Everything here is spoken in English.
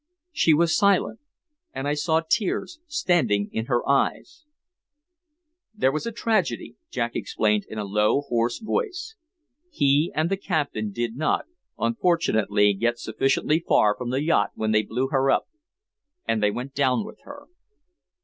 She was silent, and I saw tears standing in her eyes. "There was a tragedy," Jack explained in a low, hoarse voice. "He and the captain did not, unfortunately, get sufficiently far from the yacht when they blew her up, and they went down with her."